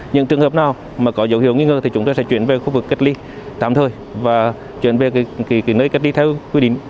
những trường hợp nào có dấu hiệu nghi ngờ thì chúng tôi sẽ chuyển về khu vực cách ly tạm thời và chuyển về nơi cách ly theo quy định